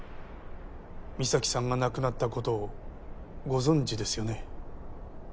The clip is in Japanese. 美咲さんが亡くなったことをご存じですよね？